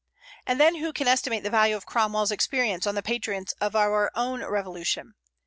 And then who can estimate the value of Cromwell's experience on the patriots of our own Revolution?